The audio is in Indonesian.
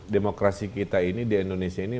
demokrasi kita ini di indonesia ini